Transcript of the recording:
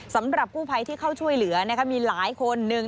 สำหรับกู้ภัยที่เข้าช่วยเหลือมีหลายคนหนึ่ง